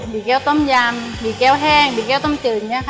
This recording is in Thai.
บี่แก้วต้มหยำบี่แก้วแห้งบี่แก้วต้มจื่น